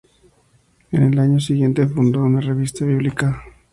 En el año siguiente, fundó una revista bíblica.